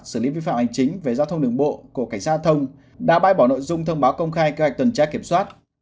xử lý vi phạm hành chính về giao thông đường bộ của cảnh sát giao thông đã bãi bỏ nội dung thông báo công khai kế hoạch tuần tra kiểm soát